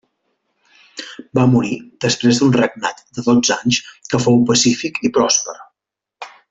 Va morir després d'un regnat de dotze anys que fou pacífic i pròsper.